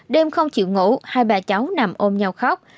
đêm không chịu ngủ hai bà cháu nằm ôm nhau khóc